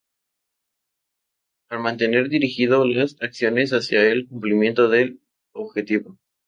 Para mantener dirigido las acciones hacia el cumplimiento del objetivo.